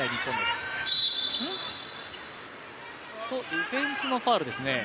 ディフェンスのファウルですね。